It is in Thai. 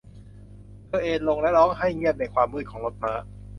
เธอเอนลงและร้องไห้เงียบในความมืดของรถม้า